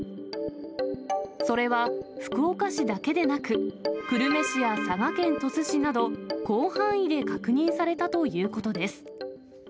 それは福岡市だけでなく、久留米市や佐賀県鳥栖市など、広範囲で確認されたということです。